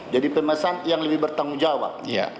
pemesan yang lebih bertanggung jawab